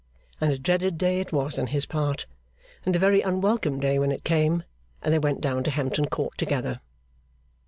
And a dreaded day it was on his part, and a very unwelcome day when it came and they went down to Hampton Court together.